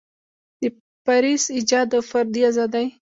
د پریس ایجاد او فردي ازادۍ.